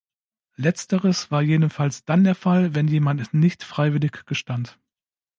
Letzteres war jedenfalls dann der Fall, wenn jemand nicht freiwillig gestand.